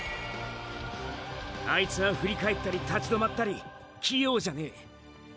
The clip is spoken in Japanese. あいつは振り返ったり立ち止まったり器用じゃねえ。